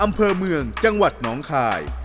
อำเภอเมืองจังหวัดหนองคาย